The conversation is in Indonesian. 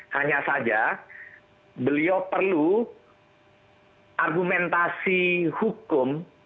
hanya saja beliau perlu argumentasi hukum